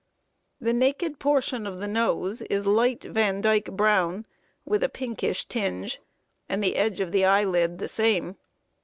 The naked portion of the nose is light Vandyke brown, with a pinkish tinge, and the edge of the eyelid the same.